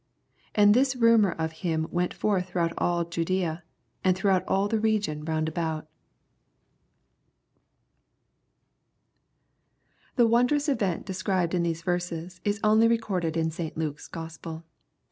17 And this rumor of him yent forth throughout aU Judraa, and throughout all the region round about. I 208 EXPOSITORY THOUGHTS. The wcndrous event described in these verses, is only recorded in St. Luke's Gospel.